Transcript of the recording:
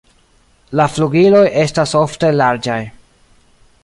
La flugiloj estas ofte larĝaj.